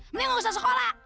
mending gak usah sekolah